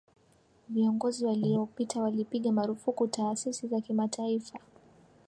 viongozi waliopita walipiga marufuku taasisi za kimataifa